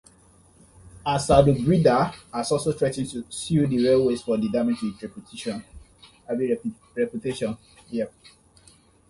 AnsaldoBreda has also threatened to sue the railways for the damage to its reputation.